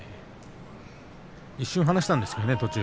一瞬離したんですけどね、途中。